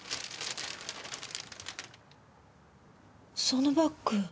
そのバッグ。